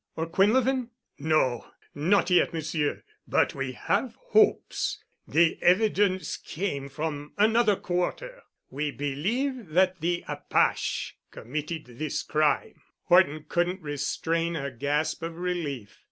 Or Quinlevin?" "No—not yet, Monsieur. But we have hopes. The evidence came from another quarter. We believe that the apache committed this crime." Horton couldn't restrain a gasp of relief.